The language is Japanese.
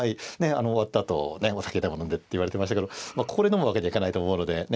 終わったあとお酒でも飲んでって言われてましたけどまあここで飲むわけにはいかないと思うのでね